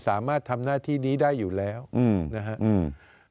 สามารถทำหน้าที่นี้ได้อยู่แล้วอืมนะฮะอืม